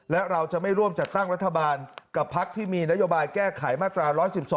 และเราจะไม่ร่วมจัดตั้งรัฐบาลกับพักที่มีนโยบายแก้ไขมาตรา๑๑๒